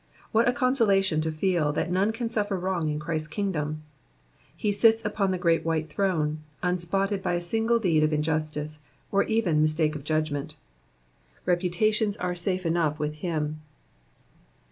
What a consolation to feel that none can suffer wrong in Christ's kingdom : he sits upon the great white throne, unspotted by a single deed of injustice, or even mistake of judgment: reputations are safe enough with him.